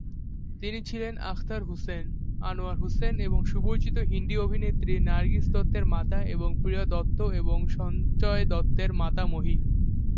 তিনি ছিলেন আখতার হুসেন, আনোয়ার হুসেন এবং সুপরিচিত হিন্দি অভিনেত্রী নার্গিস দত্তের মাতা এবং প্রিয়া দত্ত এবং সঞ্জয় দত্তের মাতামহী।